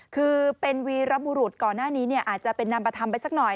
คือเป็นวีรบุรุษก่อนหน้านี้อาจจะเป็นนามประธรรมไปสักหน่อย